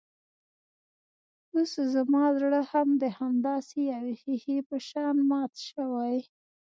اوس زما زړه هم د همداسې يوې ښيښې په شان مات شوی.